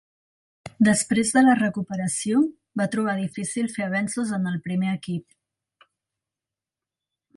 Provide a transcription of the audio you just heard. Després de la recuperació, va trobar difícil fer avenços en el primer equip.